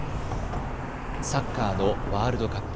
サッカーのワールドカップ。